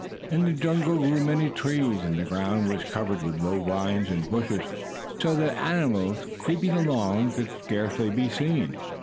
In the jungle grew many trees, and the ground was covered with low vines and bushes so that animals, creeping along, could scarcely be seen.